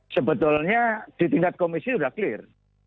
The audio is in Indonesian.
sebetulnya di tingkat komisi sudah clear